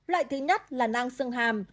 loại thứ nhất là năng xương hàm